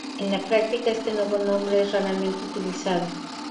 En la práctica este nuevo nombre es raramente utilizado.